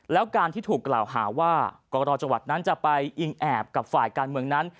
แล้วการที่ถูกกล่าวหาว่ากรจังหวัดนั้นจะไปอิงแอบกับฝ่ายการเมืองนั้น